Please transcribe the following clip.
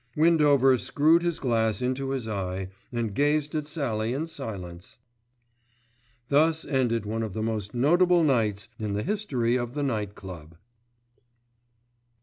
Windover screwed his glass into his eye and gazed at Sallie in silence. Thus ended one of the most notable nights in the history of the Night Club.